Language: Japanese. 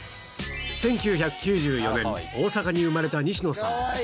１９９４年、大阪に生まれた西野さん。